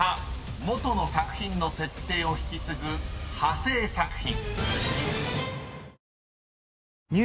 ［元の作品の設定を引き継ぐ派生作品］